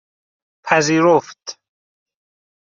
پذیرفت